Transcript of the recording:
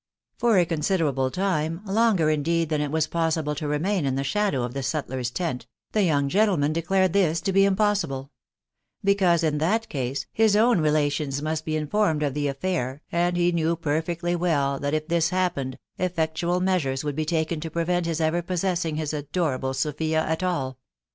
For a considerable time, longer indeed than it was possible to remain in the shadow of the sutler's tent, the young gentle man declared this to be impossible ; because, in that case, his own relations must be informed of the affair, and he knew perfectly well that if this happened, effectual measures would be taken to prevent his ever possessing his adorable Sophia at all.